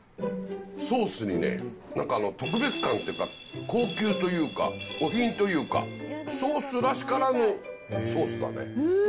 ソースにね、なんか特別感っていうか、高級というか、お品というか、ソースらしからぬソースだね。